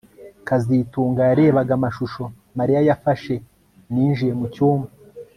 kazitunga yarebaga amashusho Mariya yafashe ninjiye mucyumba